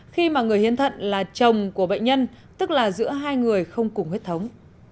khi mà người hiến thận là chồng của bệnh nhân tức là giữa hai người không cùng huyết thống